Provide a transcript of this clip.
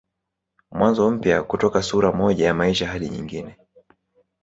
Mwanzo mpya kutoka sura moja ya maisha hadi nyingine